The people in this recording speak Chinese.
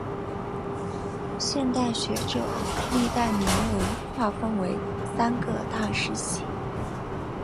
现代学者将历代铭文划分为三个大时期。